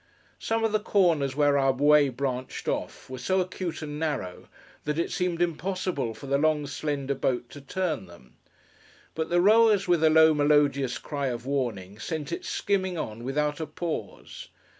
Some of the corners where our way branched off, were so acute and narrow, that it seemed impossible for the long slender boat to turn them; but the rowers, with a low melodious cry of warning, sent it skimming on without a pause.